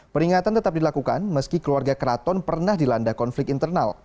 peringatan tetap dilakukan meski keluarga keraton pernah dilanda konflik internal